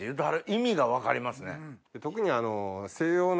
意味が分かりますね。